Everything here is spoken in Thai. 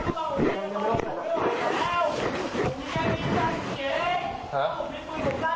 นอนนอนนอนลงไปนอนลงไป